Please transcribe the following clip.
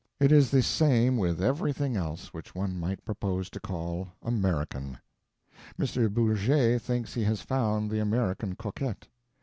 It is the same with everything else which one might propose to call "American." M. Bourget thinks he has found the American Coquette.